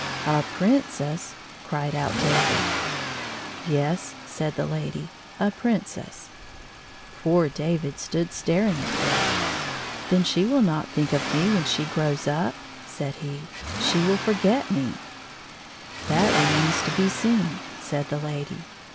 '' A Princess !" cried out David. 98 " Yes," said the lady, "a Princess/' Poor David stood staring at her, " Then she will not think of me when she grows up," said he. " She will forget me " "That remains to be seen," said the lady.